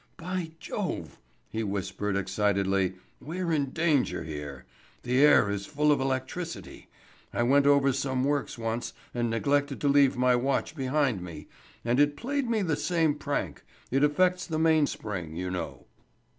"By Jove!" he whispered excitedly, "we're in danger here. The air is full of electricity. I went over some works once, and neglected to leave my watch behind me, and it played me the same prank. It affects the mainspring, you know."